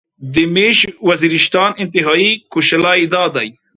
دې ميژ وزيرستان انتهایی کوشلاي داي